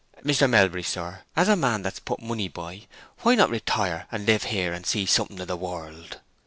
Mr. Melbury, sir, as a man's that put by money, why not retire and live here, and see something of the world?"